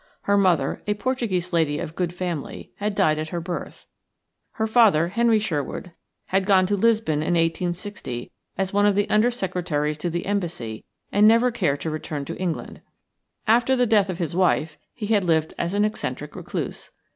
Her mother, a Portuguese lady of good family, had died at her birth; her father, Henry Sherwood, had gone to Lisbon in 1860 as one of the Under Secretaries to the Embassy and never cared to return to England. After the death of his wife he had lived as an eccentric recluse.